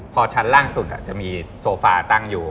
พอชั้นล่างสุดจะมีโซฟาตั้งอยู่